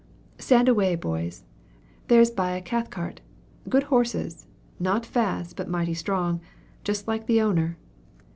"Stand away, boys, there's 'Biah Cathcart. Good horses not fast, but mighty strong, just like the owner."